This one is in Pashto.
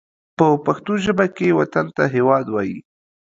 په پښتو ژبه کې وطن ته هېواد وايي